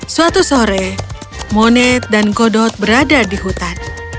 suatu sore moned dan godot berada di hutan